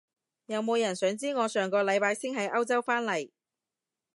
有冇人想知我上個禮拜先喺歐洲返嚟？